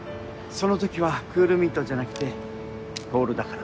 そのときはクールミントじゃなくて透だから。